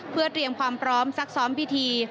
เพื่อเตรียมความพร้อมซักซ้อมพิธี